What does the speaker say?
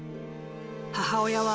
母親は、